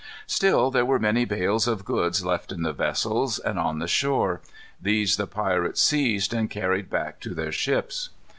Still there were many bales of goods left in the vessels and on the shore. These the pirates seized and carried back to their ships.